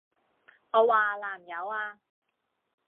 我話南柚啊！